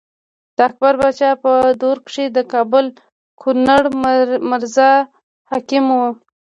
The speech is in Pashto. د اکبر باچا په دور کښې د کابل ګورنر مرزا حکيم وو۔